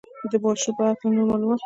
د ماشو په هکله نور معلومات.